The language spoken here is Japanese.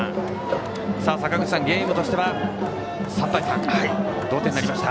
坂口さん、ゲームとしては３対３の同点です。